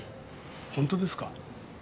本当ですか？